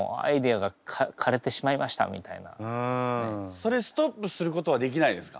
それストップすることはできないですか？